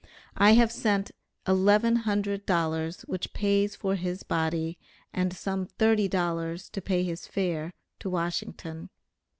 I have sent eleven hundred dollars which pays for his body and some thirty dollars to pay his fare to Washington.